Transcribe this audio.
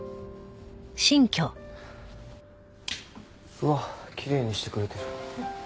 うわきれいにしてくれてる。